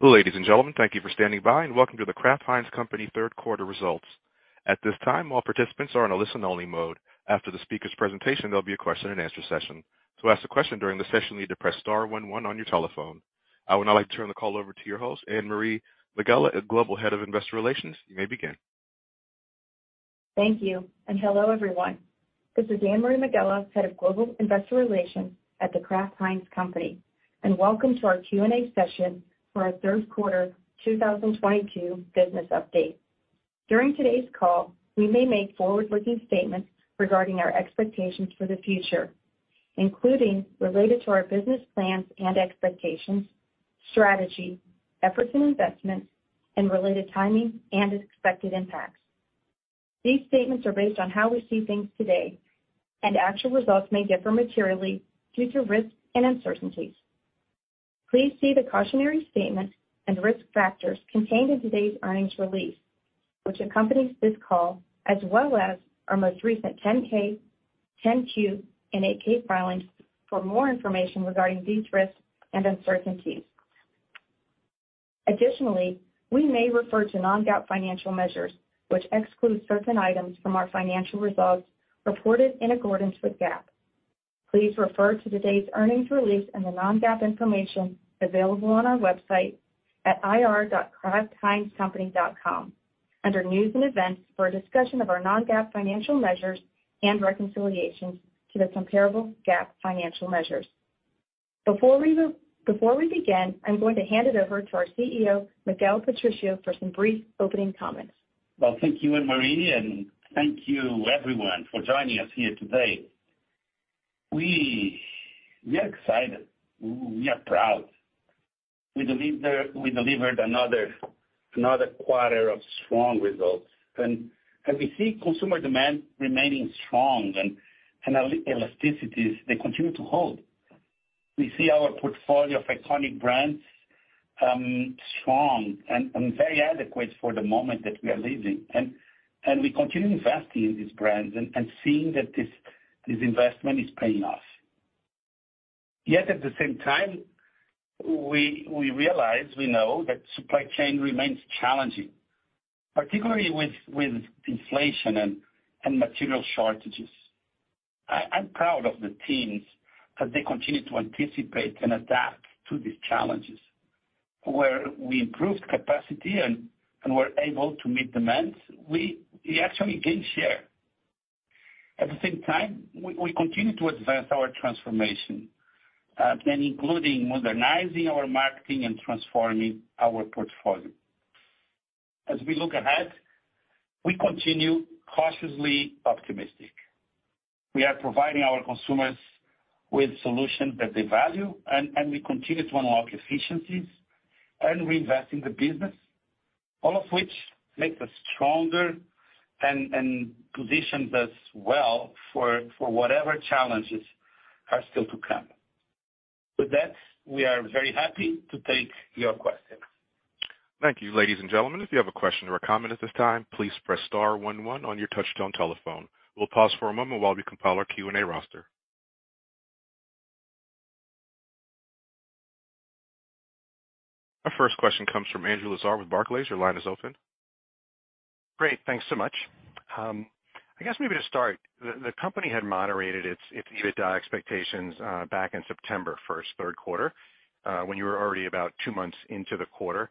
Ladies and gentlemen, thank you for standing by, and welcome to The Kraft Heinz Company's third-quarter results. At this time, all participants are in a listen- only mode. After the speaker's presentation, there'll be a question-and-answer session. To ask a question during the session, you need to press star one one on your telephone. I would now like to turn the call over to your host, Anne-Marie Megela, Head of Global Investor Relations. You may begin. Thank you and hello everyone. This is Anne-Marie Megela, Head of Global Investor Relations at The Kraft Heinz Company, and welcome to our Q&A session for our third quarter 2022 business update. During today's call, we may make forward-looking statements regarding our expectations for the future, including related to our business plans and expectations, strategy, efforts and investments and related timing and expected impacts. These statements are based on how we see things today and actual results may differ materially due to risks and uncertainties. Please see the cautionary statements and risk factors contained in today's earnings release, which accompanies this call, as well as our most recent 10-K, 10-Q and 8-K filings for more information regarding these risks and uncertainties. Additionally, we may refer to non-GAAP financial measures which exclude certain items from our financial results reported in accordance with GAAP. Please refer to today's earnings release and the non-GAAP information available on our website at ir.kraftheinzcompany.com under News and Events for a discussion of our non-GAAP financial measures and reconciliations to the comparable GAAP financial measures. Before we begin, I'm going to hand it over to our CEO, Miguel Patricio for some brief opening comments. Well, thank you Anne-Marie and thank you everyone for joining us here today. We are excited. We are proud. We delivered another quarter of strong results and we see consumer demand remaining strong and elasticities, they continue to hold. We see our portfolio of iconic brands strong and very adequate for the moment that we are living. We continue investing in these brands and seeing that this investment is paying off. Yet at the same time, we realize, we know that supply chain remains challenging, particularly with inflation and material shortages. I'm proud of the teams as they continue to anticipate and adapt to these challenges. Where we improved capacity and were able to meet demands, we actually gained share. At the same time, we continue to advance our transformation, and including modernizing our marketing and transforming our portfolio. As we look ahead, we continue cautiously optimistic. We are providing our consumers with solutions that they value and we continue to unlock efficiencies and reinvest in the business, all of which makes us stronger and positions us well for whatever challenges are still to come. With that, we are very happy to take your questions. Thank you ladies and gentlemen. If you have a question or a comment at this time, please press star one one on your touch-tone telephone. We'll pause for a moment while we compile our Q&A roster. Our first question comes from Andrew Lazar with Barclays. Your line is open. Great. Thanks so much. I guess maybe to start, the company had moderated its EBITDA expectations back in September for its third quarter, when you were already about two months into the quarter.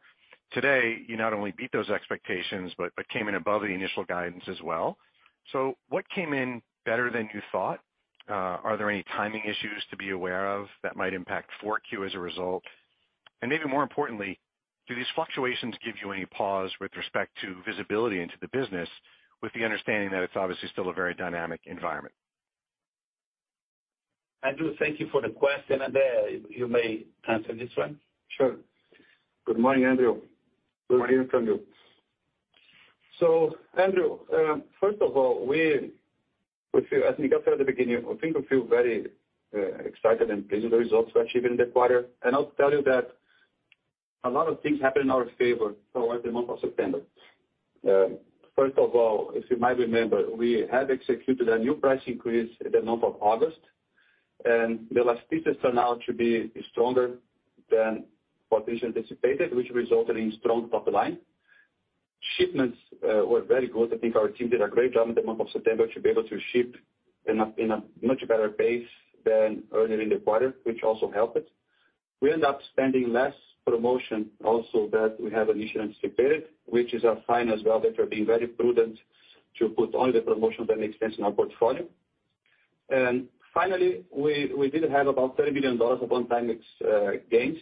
Today, you not only beat those expectations but came in above the initial guidance as well. So what came in better than you thought? Are there any timing issues to be aware of that might impact 4Q as a result? Maybe more importantly, do these fluctuations give you any pause with respect to visibility into the business with the understanding that it's obviously still a very dynamic environment? Andrew, thank you for the question and, you may answer this one. Sure. Good morning, Andrew. Good morning to you. Andrew, first of all, we feel, as Miguel said at the beginning, I think we feel very excited and pleased with the results we achieved in the quarter. I'll tell you that a lot of things happened in our favor throughout the month of September. First of all, if you might remember, we had executed a new price increase in the month of August, and the elasticity turned out to be stronger than what we anticipated, which resulted in strong top line. Shipments were very good. I think our team did a great job in the month of September to be able to ship in a much better pace than earlier in the quarter, which also helped it. We end up spending less promotion also that we had initially anticipated, which is a sign as well that we're being very prudent to put only the promotion that makes sense in our portfolio. Finally, we did have about $30 million one-time FX gains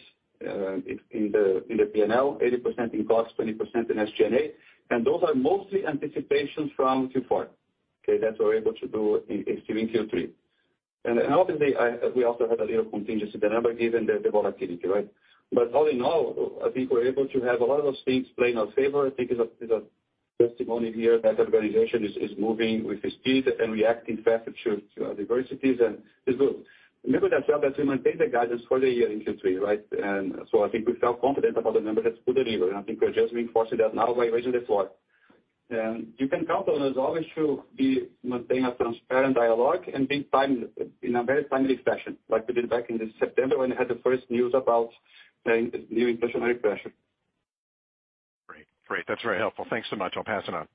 in the P&L, 80% in cost, 20% in SG&A. Those are mostly anticipations from Q4. Okay. That we're able to do in assuming Q3. Obviously, we also had a little contingency, the number given the volatility, right? All in all, I think we're able to have a lot of those things play in our favor. I think it's a testimony here that our organization is moving with the speed and reacting faster to adversities. Remember that we maintain the guidance for the year in Q3, right? So I think we felt confident about the number that's delivered, and I think we're just reinforcing that now by raising the floor. You can count on us always to be maintaining a transparent dialogue and being timely, in a very timely fashion, like we did back in September when we had the first news about the new inflationary pressure. Great. Great. That's very helpful. Thanks so much. I'll pass it on.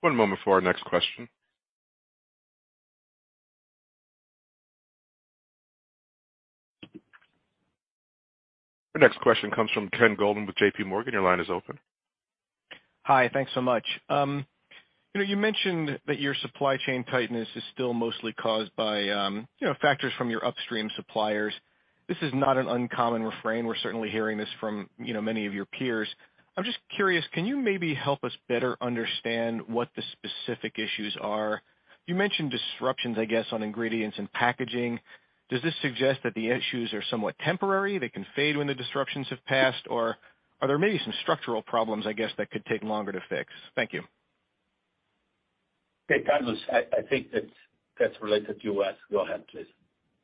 One moment for our next question. The next question comes from Ken Goldman with JP Morgan. Your line is open. Hi. Thanks so much. You know, you mentioned that your supply chain tightness is still mostly caused by, you know, factors from your upstream suppliers. This is not an uncommon refrain. We're certainly hearing this from, you know, many of your peers. I'm just curious, can you maybe help us better understand what the specific issues are? You mentioned disruptions, I guess, on ingredients and packaging. Does this suggest that the issues are somewhat temporary, they can fade when the disruptions have passed? Or are there maybe some structural problems, I guess, that could take longer to fix? Thank you. Okay, Carlos, I think that's related to you. Go ahead, please.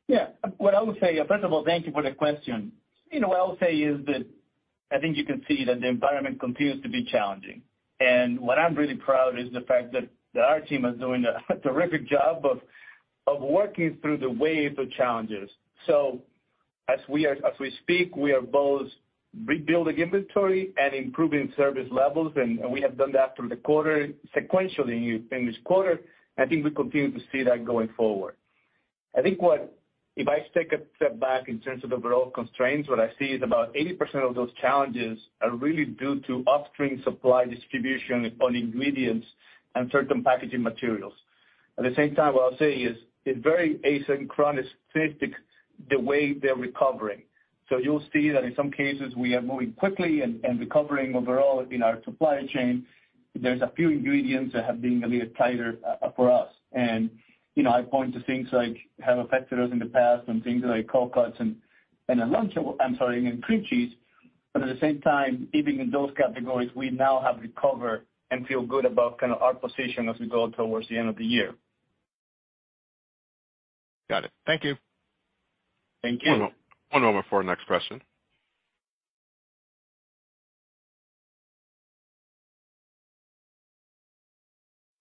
Yeah. What I would say, first of all, thank you for the question. You know, what I'll say is that I think you can see that the environment continues to be challenging. What I'm really proud is the fact that our team is doing a terrific job of working through the wave of challenges. As we speak, we are both rebuilding inventory and improving service levels. And we have done that through the quarter sequentially in this quarter. I think we continue to see that going forward. I think if I take a step back in terms of overall constraints, what I see is about 80% of those challenges are really due to upstream supply disruptions on ingredients and certain packaging materials. At the same time, what I'll say is it's very asynchronous the way they're recovering. You'll see that in some cases, we are moving quickly and recovering overall in our supply chain. There are a few ingredients that have been a little tighter for us. You know, I point to things like have affected us in the past on things like cold cuts and cream cheese. At the same time, even in those categories, we now have recovered and feel good about kind of our position as we go towards the end of the year. Got it. Thank you. Thank you. One moment for our next question.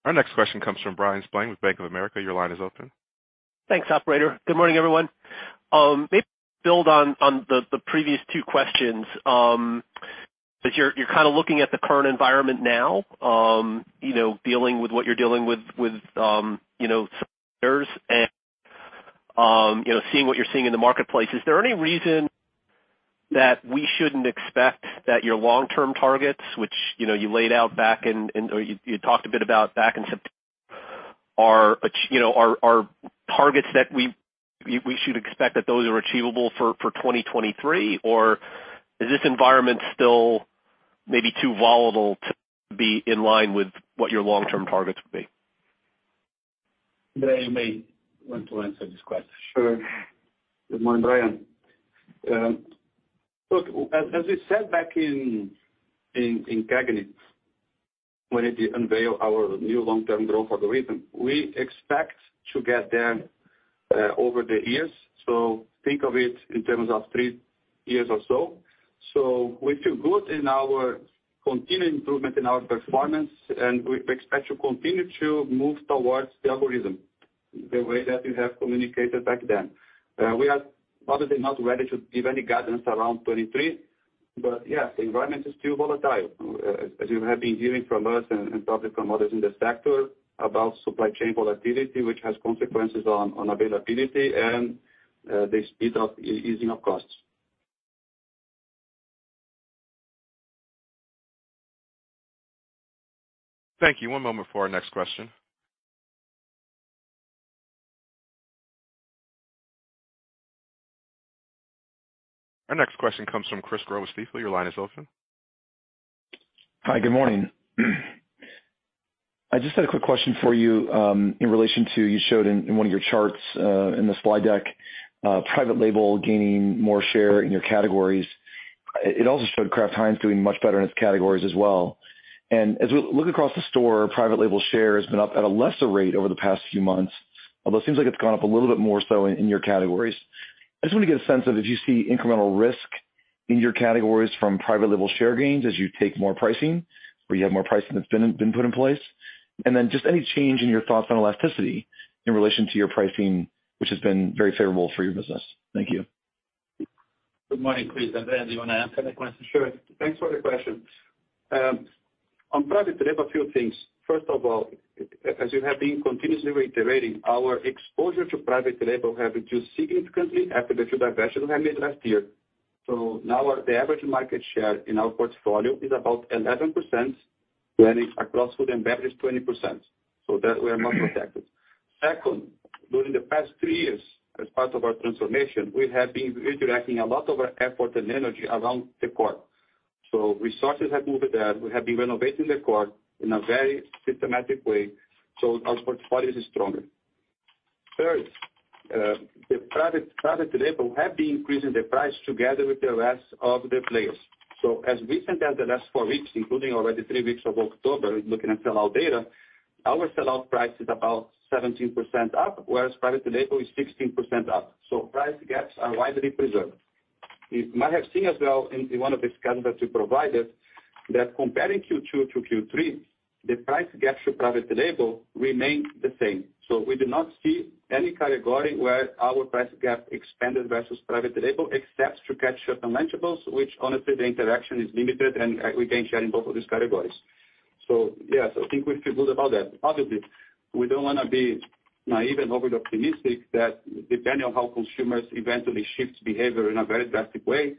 Our next question comes from Bryan Spillane with Bank of America. Your line is open. Thanks, operator. Good morning, everyone. Maybe build on the previous two questions. As you're kind of looking at the current environment now, you know, dealing with what you're dealing with with you know suppliers and you know seeing what you're seeing in the marketplace, is there any reason that we shouldn't expect that your long-term targets, which you know you laid out back in or you talked a bit about back in September are achievable you know are targets that we should expect that those are achievable for 2023? Is this environment still maybe too volatile to be in line with what your long-term targets would be? Andre may want to answer this question. Sure. Good morning, Bryan. Look, as we said back in CAGNY, when we unveiled our new long-term growth algorithm, we expect to get there over the years. Think of it in terms of three years or so. We feel good in our continued improvement in our performance, and we expect to continue to move towards the algorithm the way that we have communicated back then. We are obviously not ready to give any guidance around 2023, but yes, the environment is still volatile, as you have been hearing from us and probably from others in the sector about supply chain volatility, which has consequences on availability and the speed of easing of costs. Thank you. One moment for our next question. Our next question comes from Chris Growe, Stifel. Your line is open. Hi. Good morning. I just had a quick question for you, in relation to, you showed in one of your charts, in the slide deck, private label gaining more share in your categories. It also showed Kraft Heinz doing much better in its categories as well. As we look across the store, private label share has been up at a lesser rate over the past few months, although it seems like it's gone up a little bit more so in your categories. I just want to get a sense of if you see incremental risk in your categories from private label share gains as you take more pricing, or you have more pricing that's been put in place. Then just any change in your thoughts on elasticity in relation to your pricing, which has been very favorable for your business. Thank you. Good morning, Chris. Andre, do you wanna answer that question? Sure. Thanks for the question. On private label, a few things. First of all, as you have been continuously reiterating, our exposure to private label have reduced significantly after the two divestitures we made last year. Now the average market share in our portfolio is about 11%, whereas across food and beverage, 20%. That we are more protected. Second, during the past three years, as part of our transformation, we have been redirecting a lot of our effort and energy around the core. Resources have moved there. We have been renovating the core in a very systematic way, so our portfolio is stronger. Third, the private label have been increasing the price together with the rest of the players. As recent as the last four weeks, including already three weeks of October, looking at sellout data, our sellout price is about 17% up, whereas private label is 16% up. Price gaps are widely preserved. You might have seen as well in one of the schedules that we provided that comparing Q2 to Q3, the price gap to private label remains the same. We do not see any category where our price gap expanded versus private label, except ketchup, certain vegetables, which honestly, the interaction is limited and we can't share in both of these categories. Yes, I think we feel good about that. Obviously, we don't wanna be naive and overly optimistic that depending on how consumers eventually shift behavior in a very drastic way,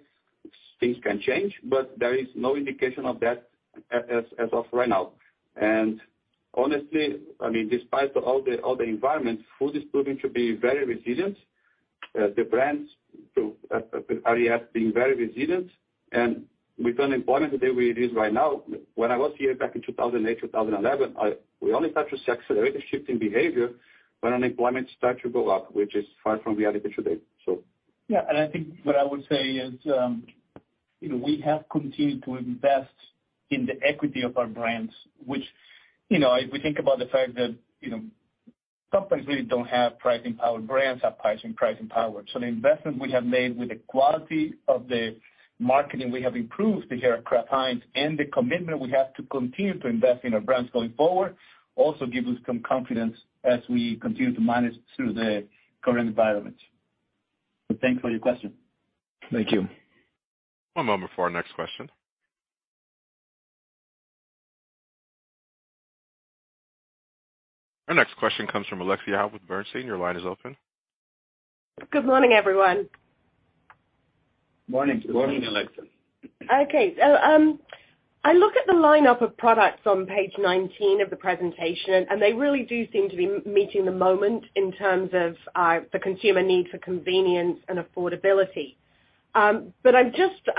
things can change, but there is no indication of that as of right now. Honestly, I mean, despite all the environment, food is proving to be very resilient. The brands are yet being very resilient. With unemployment the way it is right now, when I was here back in 2008, 2011, we only started to see accelerated shift in behavior when unemployment started to go up, which is far from the reality today. Yeah. I think what I would say is, you know, we have continued to invest in the equity of our brands, which, you know, if we think about the fact that, you know, some companies really don't have pricing power. Brands have pricing power. The investment we have made with the quality of the marketing we have improved here at Kraft Heinz and the commitment we have to continue to invest in our brands going forward, also gives us some confidence as we continue to manage through the current environment. Thanks for your question. Thank you. One moment for our next question. Our next question comes from Alexia Howard. Your line is open. Good morning, everyone. Morning. Morning, Alexia. Okay. I look at the lineup of products on page 19 of the presentation, and they really do seem to be meeting the moment in terms of the consumer need for convenience and affordability. I'm just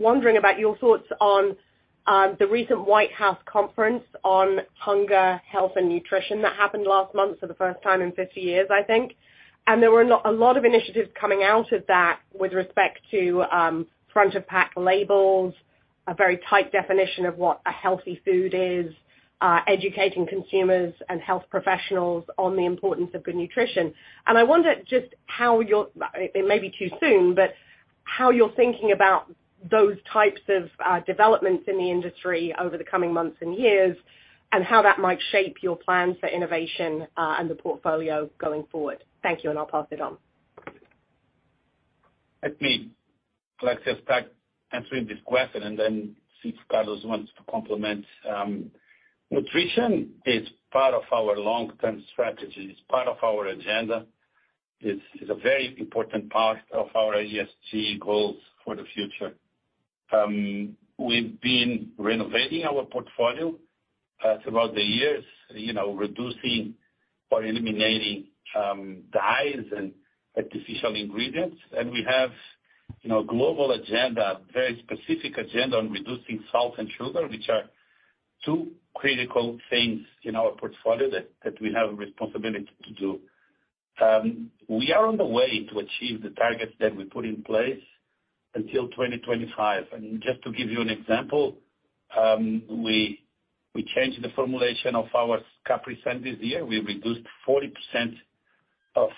wondering about your thoughts on the recent White House conference on hunger, health and nutrition that happened last month for the first time in 50 years, I think. There were a lot of initiatives coming out of that with respect to front of pack labels, a very tight definition of what a healthy food is, educating consumers and health professionals on the importance of good nutrition. I wonder just how your It may be too soon, but how you're thinking about those types of developments in the industry over the coming months and years, and how that might shape your plans for innovation, and the portfolio going forward. Thank you, and I'll pass it on. Let me, Alexia, start answering this question, and then see if Carlos wants to comment. Nutrition is part of our long-term strategy. It's part of our agenda. It's a very important part of our ESG goals for the future. We've been renovating our portfolio throughout the years, you know, reducing or eliminating dyes and artificial ingredients. We have, you know, a global agenda, a very specific agenda on reducing salt and sugar, which are two critical things in our portfolio that we have a responsibility to do. We are on the way to achieve the targets that we put in place until 2025. I mean, just to give you an example, we changed the formulation of our Capri Sun this year. We reduced 40% of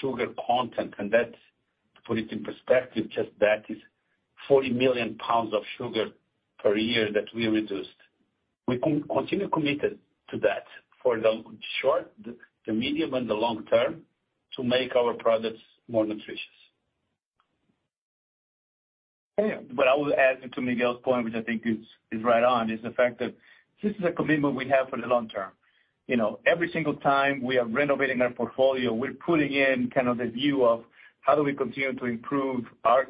sugar content, and that, to put it in perspective, just that is 40 million pounds of sugar per year that we reduced. We continue committed to that for the short, the medium and the long term to make our products more nutritious. Yeah. What I would add to Miguel's point, which I think is right on, is the fact that this is a commitment we have for the long term. You know, every single time we are renovating our portfolio, we're putting in kind of the view of how do we continue to improve our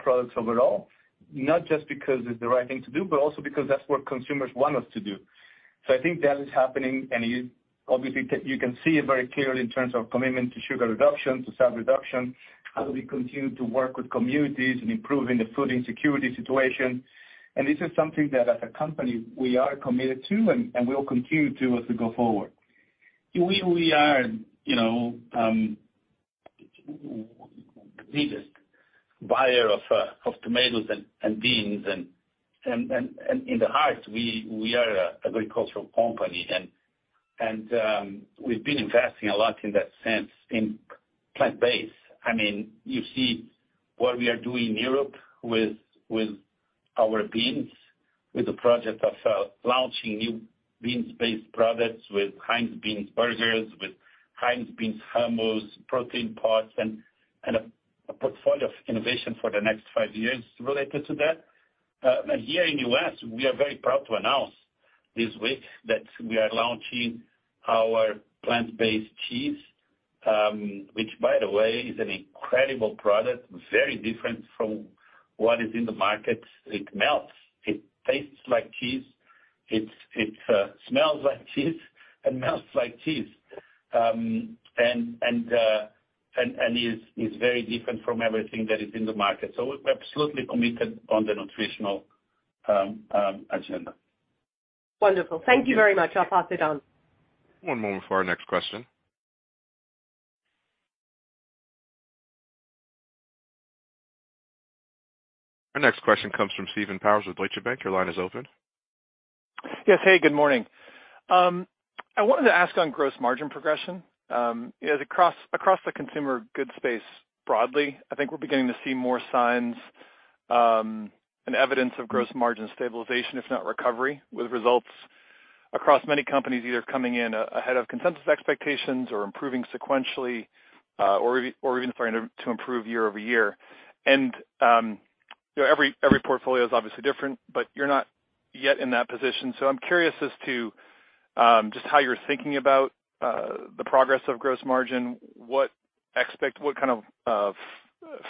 products overall, not just because it's the right thing to do, but also because that's what consumers want us to do. I think that is happening, and you obviously can. You can see it very clearly in terms of commitment to sugar reduction, to salt reduction, how do we continue to work with communities in improving the food insecurity situation. This is something that as a company we are committed to and we'll continue to as we go forward. We are, you know, the biggest buyer of tomatoes and beans and in the heart we are an agricultural company and we've been investing a lot in that sense in plant-based. I mean, you see what we are doing in Europe with our beans, with the project of launching new beans-based products with Heinz beans burgers, with Heinz beans hummus, protein pots, and a portfolio of innovation for the next five years related to that. Here in the U.S., we are very proud to announce this week that we are launching our plant-based cheese, which by the way is an incredible product, very different from what is in the market. It melts, it tastes like cheese. It smells like cheese and melts like cheese. It is very different from everything that is in the market. We're absolutely committed to the nutritional agenda. Wonderful. Thank you very much. I'll pass it on. One moment for our next question. Our next question comes from Steven Powers with Deutsche Bank. Your line is open. Yes. Hey, good morning. I wanted to ask on gross margin progression. Across the consumer goods space broadly, I think we're beginning to see more signs and evidence of gross margin stabilization, if not recovery, with results across many companies either coming in ahead of consensus expectations or improving sequentially, or even starting to improve year-over-year. You know, every portfolio is obviously different, but you're not yet in that position. I'm curious as to just how you're thinking about the progress of gross margin, what kind of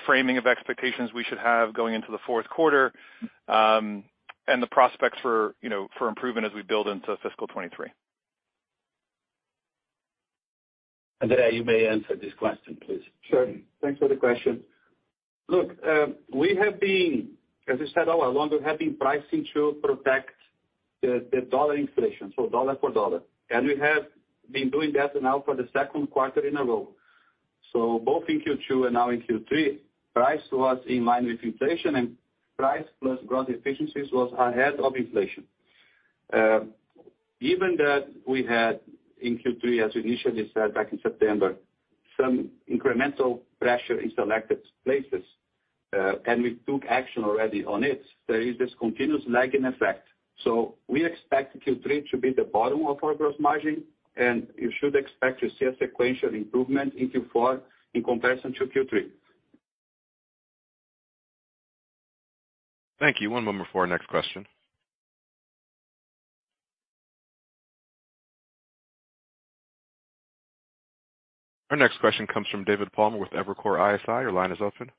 framing of expectations we should have going into the fourth quarter, and the prospects for improvement as we build into fiscal 2023. Andre, you may answer this question, please. Sure. Thanks for the question. Look, as I said all along, we have been pricing to protect the dollar inflation, so dollar for dollar. We have been doing that now for the second quarter in a row. Both in Q2 and now in Q3, price was in line with inflation and price plus gross efficiencies was ahead of inflation. Given that we had in Q3, as we initially said back in September, some incremental pressure in selected places, and we took action already on it, there is this continuous lagging effect. We expect Q3 to be the bottom of our gross margin, and you should expect to see a sequential improvement in Q4 in comparison to Q3. Thank you. One moment for our next question. Our next question comes from David Palmer with Evercore ISI. Your line is open.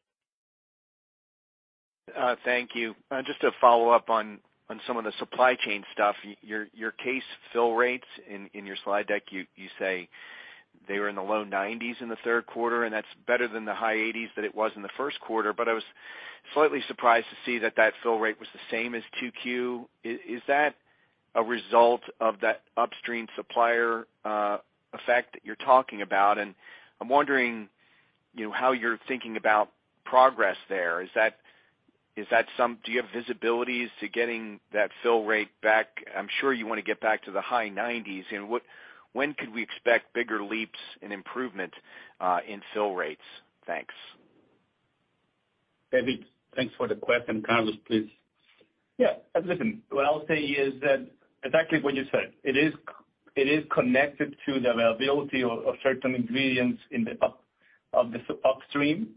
Thank you. Just to follow up on some of the supply chain stuff. Your case fill rates in your slide deck, you say they were in the low 90s% in the third quarter, and that's better than the high 80s% that it was in the first quarter. I was slightly surprised to see that fill rate was the same as Q2. Is that a result of that upstream supplier effect that you're talking about? I'm wondering, you know, how you're thinking about progress there. Do you have visibility to getting that fill rate back? I'm sure you wanna get back to the high 90s%. When could we expect bigger leaps and improvement in fill rates? Thanks. David, thanks for the question. Carlos, please. Yeah. Listen, what I'll say is that's exactly what you said. It is connected to the availability of certain ingredients in the upstream,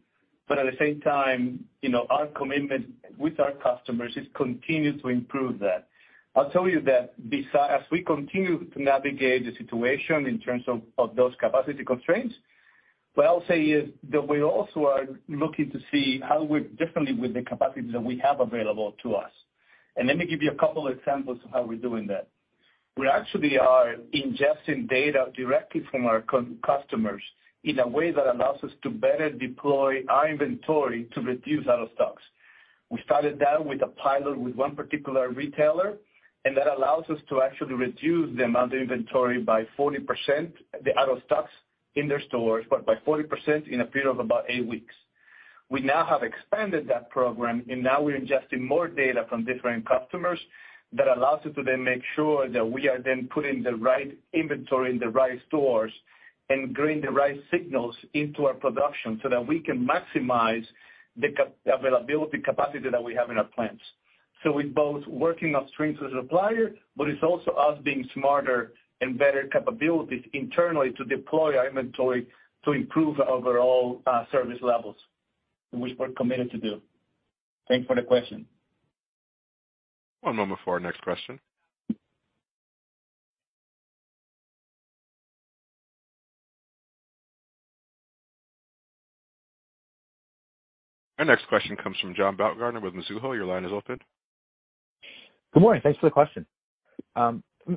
but at the same time, you know, our commitment with our customers is to continue to improve that. I'll tell you that as we continue to navigate the situation in terms of those capacity constraints, what I'll say is that we also are looking to see how we differently with the capacity that we have available to us. Let me give you a couple examples of how we're doing that. We actually are ingesting data directly from our customers in a way that allows us to better deploy our inventory to reduce out of stocks. We started that with a pilot with one particular retailer, and that allows us to actually reduce the amount of inventory by 40%, the out of stocks in their stores, but by 40% in a period of about eight weeks. We now have expanded that program, and now we're ingesting more data from different customers that allows us to then make sure that we are then putting the right inventory in the right stores and bringing the right signals into our production so that we can maximize the availability capacity that we have in our plants. It's both working upstream to the supplier, but it's also us being smarter and better capabilities internally to deploy our inventory to improve overall, service levels, which we're committed to do. Thanks for the question. One moment for our next question. Our next question comes from John Baumgartner with Mizuho. Your line is open. Good morning. Thanks for the question.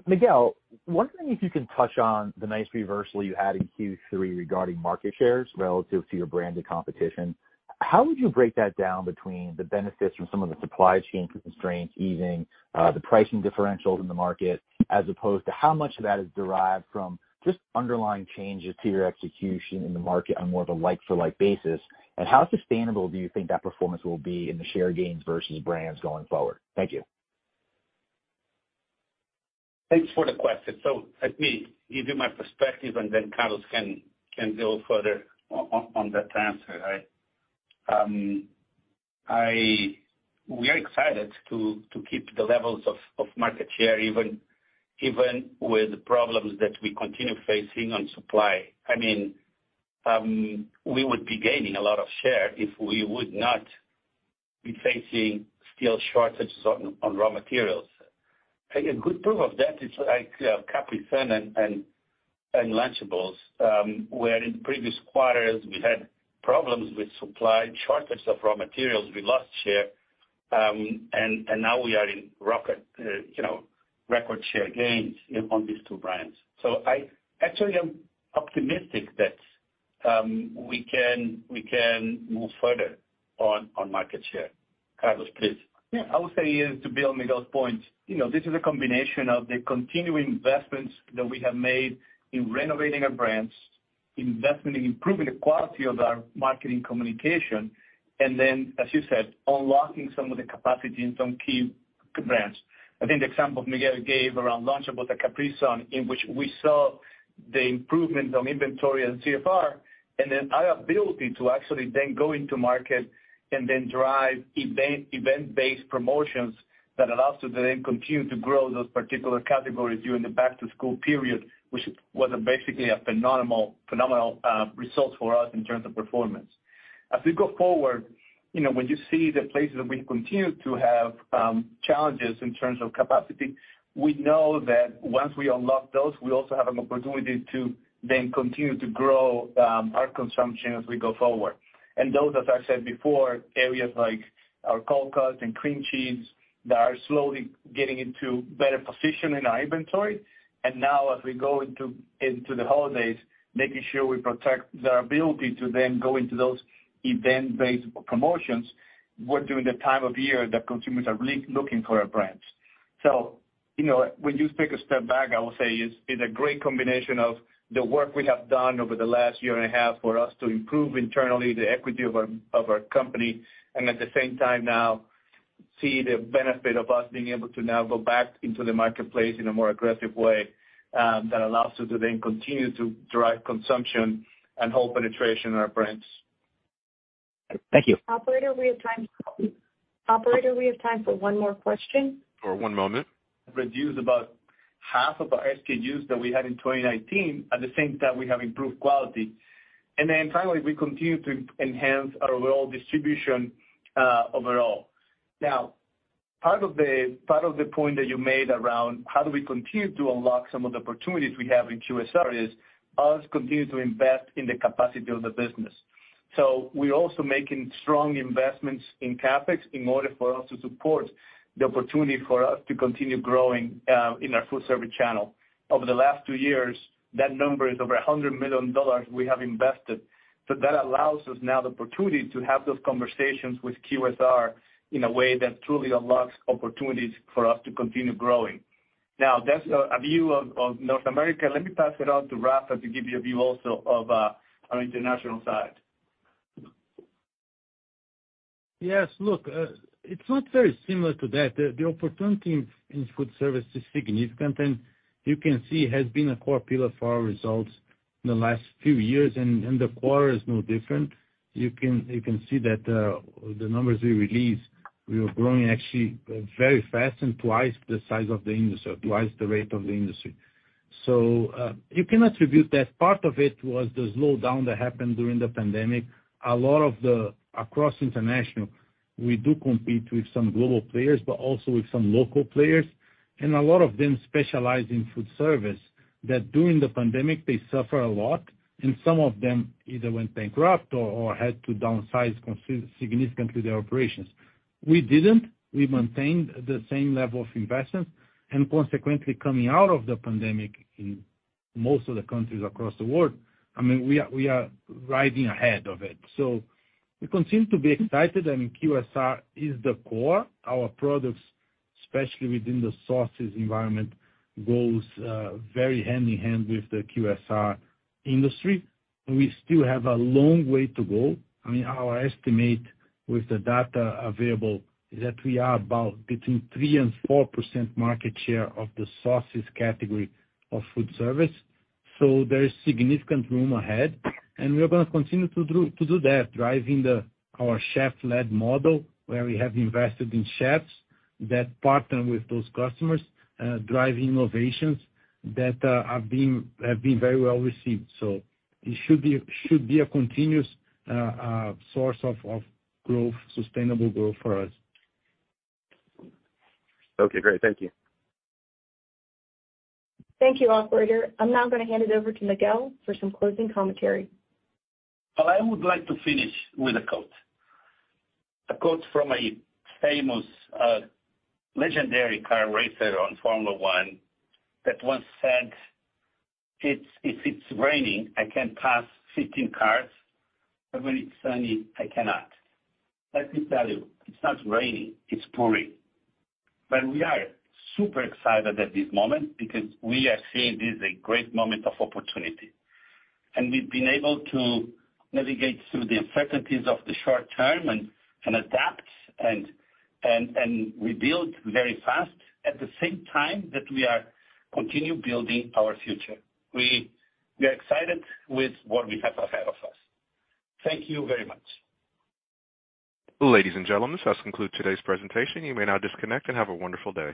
Miguel, wondering if you can touch on the nice reversal you had in Q3 regarding market shares relative to your branded competition. How would you break that down between the benefits from some of the supply chain constraints easing, the pricing differentials in the market, as opposed to how much of that is derived from just underlying changes to your execution in the market on more of a like-for-like basis? How sustainable do you think that performance will be in the share gains versus brands going forward? Thank you. Thanks for the question. Let me give you my perspective and then Carlos can go further on that answer, all right? We are excited to keep the levels of market share even with the problems that we continue facing on supply. I mean, we would be gaining a lot of share if we would not be facing still shortages on raw materials. A good proof of that is like Capri Sun and Lunchables, where in previous quarters we had problems with supply, shortage of raw materials, we lost share, and now we are rocketing record share gains on these two brands. I actually am optimistic that we can move further on market share. Carlos, please. Yeah. I would say is to build Miguel's point, you know, this is a combination of the continuing investments that we have made in renovating our brands. Investment in improving the quality of our marketing communication, and then, as you said, unlocking some of the capacity in some key brands. I think the example Miguel gave around Lunchables about the Capri Sun, in which we saw the improvement on inventory and CFR, and then our ability to actually then go into market and then drive event-based promotions that allows us to then continue to grow those particular categories during the back-to-school period, which was basically a phenomenal result for us in terms of performance. As we go forward, you know, when you see the places that we continue to have challenges in terms of capacity, we know that once we unlock those, we also have an opportunity to then continue to grow our consumption as we go forward. Those, as I said before, areas like our cold cuts and cream cheese that are slowly getting into better position in our inventory, and now as we go into the holidays, making sure we protect the ability to then go into those event-based promotions, it's during the time of year that consumers are looking for our brands. You know, when you take a step back, I will say it's a great combination of the work we have done over the last year and a half for us to improve internally the equity of our company, and at the same time now see the benefit of us being able to now go back into the marketplace in a more aggressive way, that allows us to then continue to drive consumption and whole penetration in our brands. Thank you. Operator, we have time for one more question. For one moment. Reduce about half of our SKUs that we had in 2019. At the same time, we have improved quality. Then finally, we continue to enhance our rural distribution, overall. Now, part of the point that you made around how do we continue to unlock some of the opportunities we have in QSR is us continue to invest in the capacity of the business. We're also making strong investments in CapEx in order for us to support the opportunity for us to continue growing, in our food service channel. Over the last two years, that number is over $100 million we have invested. So that allows us now the opportunity to have those conversations with QSR in a way that truly unlocks opportunities for us to continue growing. Now, that's a view of North America. Let me pass it on to Rafael to give you a view also of our international side. Yes. Look, it's not very similar to that. The opportunity in food service is significant, and you can see has been a core pillar for our results in the last few years, and the quarter is no different. You can see that, the numbers we released, we are growing actually very fast and twice the size of the industry, twice the rate of the industry. You can attribute that part of it was the slowdown that happened during the pandemic. A lot of the, across international, we do compete with some global players, but also with some local players, and a lot of them specialize in food service, that during the pandemic, they suffer a lot, and some of them either went bankrupt or had to downsize significantly their operations. We didn't. We maintained the same level of investments and consequently coming out of the pandemic in most of the countries across the world. I mean, we are riding ahead of it. We continue to be excited, and QSR is the core. Our products, especially within the sauces environment, goes very hand in hand with the QSR industry. We still have a long way to go. I mean, our estimate with the data available is that we are about between 3% and 4% market share of the sauces category of food service. There is significant room ahead, and we are gonna continue to do that, driving our chef-led model, where we have invested in chefs that partner with those customers, drive innovations that have been very well received. It should be a continuous source of growth, sustainable growth for us. Okay, great. Thank you. Thank you, operator. I'm now gonna hand it over to Miguel for some closing commentary. Well, I would like to finish with a quote from a famous legendary car racer on Formula One that once said, "If it's raining, I can pass 15 cars, but when it's sunny, I cannot." Let me tell you, it's not raining, it's pouring. We are super excited at this moment because we are seeing this a great moment of opportunity, and we've been able to navigate through the uncertainties of the short term and adapt and rebuild very fast at the same time that we are continue building our future. We are excited with what we have ahead of us. Thank you very much. Ladies and gentlemen, this does conclude today's presentation. You may now disconnect and have a wonderful day.